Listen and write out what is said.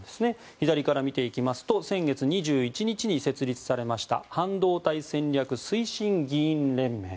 左から見ていきますと先月２１日に設立されました半導体戦略推進議員連盟。